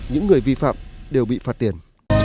những người vi phạm đều bị phạt tiền